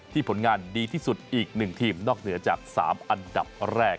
ที่ผลงานดีที่สุดอีกหนึ่งทีมนอกเหนือจากสามอันดับแรก